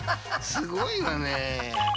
すごいわね。